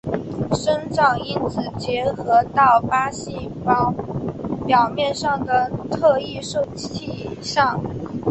生长因子结合到靶细胞表面的特异受体上。